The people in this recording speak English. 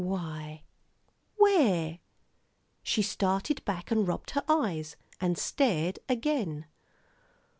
"Why where " she started back and rubbed her eyes, and stared again.